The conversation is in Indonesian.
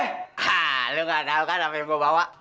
hah lo ga tau kan apa yang mau bawa